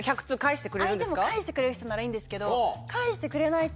相手も返してくれる人ならいいんですけど。